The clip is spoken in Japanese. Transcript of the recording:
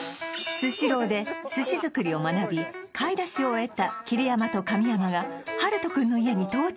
スシローで寿司作りを学び買い出しを終えた桐山と神山がハルト君の家に到着